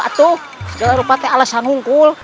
aduh segera berubah alasan hungkul